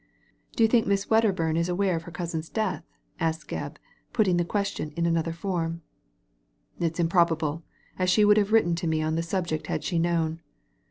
'*" Do you think Miss Wedderbum is aware of her cousin's death?" said Gebb, putting the question in another form. * It's improbable, as she would have written to me on the subject had she known.